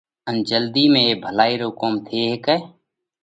ان جلڌِي ۾ اي ڀلائِي رو ڪوم ٿي هيڪئھ۔